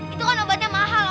itu kan obatnya mahal